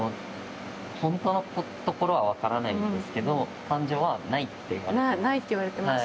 本当のところは分からないんですけど感情はないって言われてます。